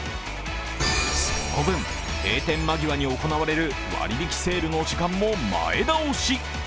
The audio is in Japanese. その分、閉店間際に行われる割引セールの時間も前倒し。